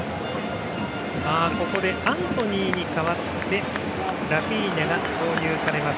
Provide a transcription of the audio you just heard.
ここでアントニーに代わってラフィーニャが投入されます。